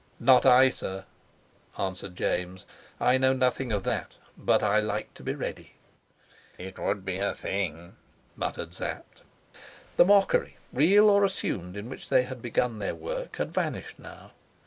"Not I, sir," answered James, "I know nothing of that. But I like to be ready." "It would be a thing!" muttered Sapt. The mockery, real or assumed, in which they had begun their work, had vanished now.